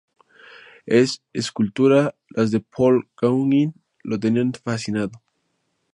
En escultura, las de Paul Gauguin lo tenían fascinado.